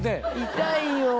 痛いよ。